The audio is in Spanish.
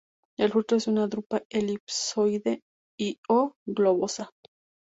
El fruto es una drupa, elipsoide o globosa.